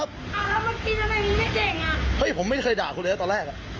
อ้าวแล้วเมื่อกี้ทำไมมันไม่เก่งอ่ะเฮ้ยผมไม่เคยด่าคุณเลยอ่ะตอนแรกอ่ะ